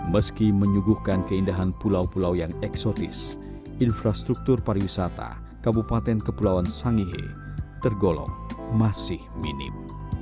meski menyuguhkan keindahan pulau pulau yang eksotis infrastruktur pariwisata kabupaten kepulauan sangihe tergolong masih minim